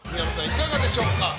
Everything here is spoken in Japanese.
いかがでしょうか。